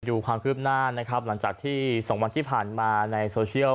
ดูความคืบหน้านะครับหลังจากที่๒วันที่ผ่านมาในโซเชียล